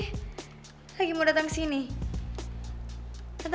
kata marissa sama boy juga mau dateng ke sini barengan aduh